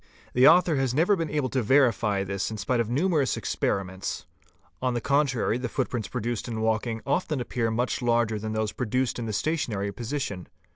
The author has never been able to verify this in spite of numerous experiments; on the contrary the footprints prodaced in walking often appear much larger than those produced in the stationary position.